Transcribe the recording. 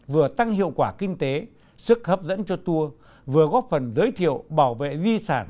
vừa tăng hiệu quả kinh tế sức hấp dẫn cho tour vừa góp phần giới thiệu bảo vệ di sản